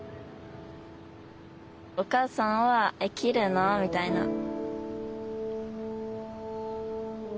お母さんは「えっ切るの？」みたいな。